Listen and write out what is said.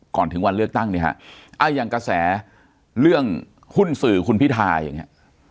ก่อนถึงวันเลือกตั้งอาจารย์กระแสเรื่องหุ้นสื่อคุณพิธาอย่างนี้